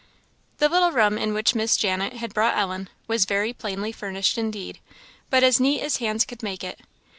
The little room in which Miss Janet had brought Ellen was very plainly furnished indeed, but as neat as hands could make it.